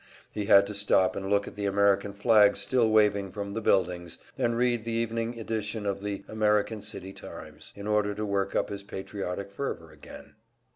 He had to stop and look at the American flags, still waving from the buildings, and read the evening edition of the American City "Times," in order to work up his patriotic fervor again.